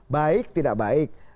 baik tidak baik